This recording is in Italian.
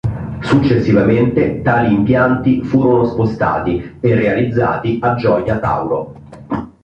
Successivamente tali impianti furono spostati e realizzati a Gioia Tauro.